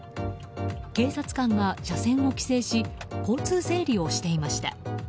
警察官が車線を規制し交通整理をしていました。